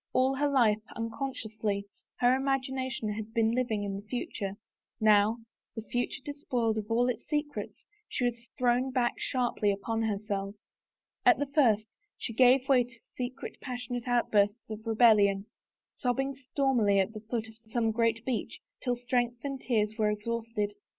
All her life, unconsciously, her imagination had been living in the future, now, the future despoiled of its secrets, she was thrown back sharply upon herself. At the first she gave way to secret, passionate outbursts of rebellion, sobbing stormily at the foot of some great beech till strength and tears were exhausted.